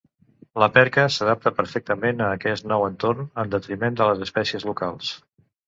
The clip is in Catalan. La perca s'adaptà perfectament a aquest nou entorn, en detriment de les espècies locals.